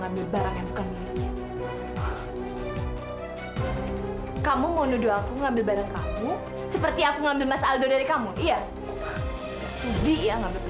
dini mas dini udah nuduh aku ngambil perhiasannya dia padahal aku gak ngambil mas